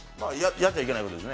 やっちゃいけないことですね。